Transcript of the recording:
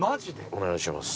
お願いします。